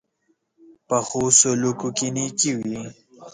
پخو سلوکو کې نېکي وي